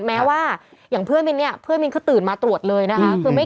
แม้อย่างเพื่อนมิ้นเขาตื่นมาตรวจเลยนะคะ